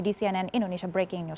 di cnn indonesia breaking news